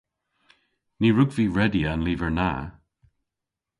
Ny wrug vy redya an lyver na.